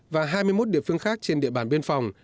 và hai mươi một địa phương khác trên địa bàn biên phòng